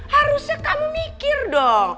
harusnya kamu mikir dong